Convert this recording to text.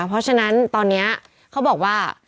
เพราะฉะนั้นตอนนี้เขาบอกว่า